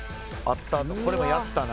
これもやったな。